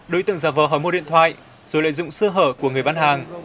đối tượng ra vò hỏi mua điện thoại rồi lợi dụng sơ hở của người bán hàng